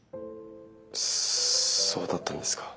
そうだったんですか。